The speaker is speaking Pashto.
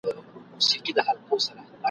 سل ځله مي وایستل توبه له لېونتوب څخه !.